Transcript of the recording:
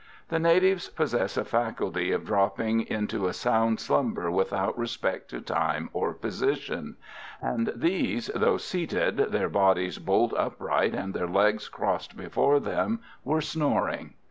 The natives possess a faculty of dropping into a sound slumber without respect to time or position; and these, though seated, their bodies bolt upright and their legs crossed before them, were snoring.